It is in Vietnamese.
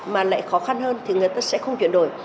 mà lại khó khăn hơn thì người ta sẽ không chuyển đổi